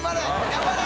頑張れ！